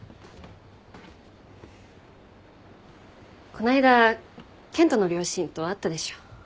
こないだ健人の両親と会ったでしょ？